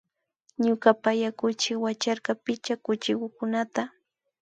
Ñuka paya kuchi wacharka picha kuchikukunata